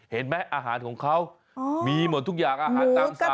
เห็นไหมอาหารของเขามีหมดทุกอย่างอาหารตามสั่ง